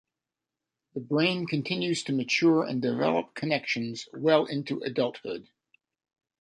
The brain continues to mature and develop connections well into adulthood.